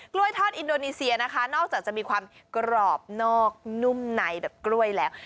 ทอดอินโดนีเซียนะคะนอกจากจะมีความกรอบนอกนุ่มในแบบกล้วยแล้ว